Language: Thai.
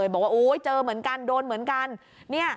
บอกว่าเจอเหมือนกันโดนเหมือนกัน